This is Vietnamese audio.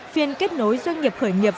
phiên kết nối doanh nghiệp khởi nghiệp